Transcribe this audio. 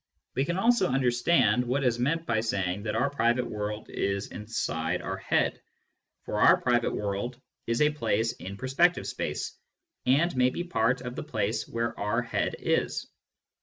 We can also understand what is meant by saying that our private world is inside our head ; for our private world is a place in perspective space, and may be part of the place where our head is.